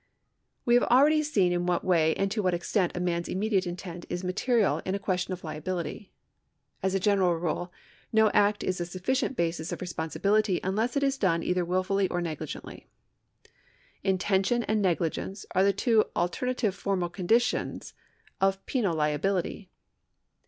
We have already seen in what way and to what extent a man's immediate intent is material in a question of liability. As a general rule no act is a sufficient basis of responsibility unless it is done either wilfully or negligently. Intention and negligence are the two alternative formal conditions of penal liability.